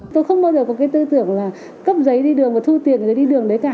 tôi không bao giờ có cái tư tưởng là cấp giấy đi đường và thu tiền giấy đi đường đấy cả